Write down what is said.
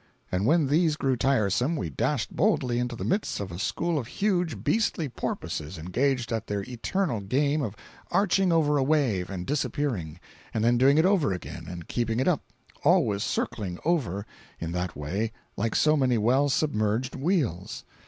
And when these grew tiresome we dashed boldly into the midst of a school of huge, beastly porpoises engaged at their eternal game of arching over a wave and disappearing, and then doing it over again and keeping it up—always circling over, in that way, like so many well submerged wheels.